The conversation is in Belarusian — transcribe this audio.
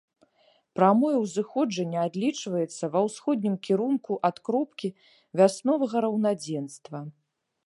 Прамое ўзыходжанне адлічваецца ва ўсходнім кірунку ад кропкі вясновага раўнадзенства.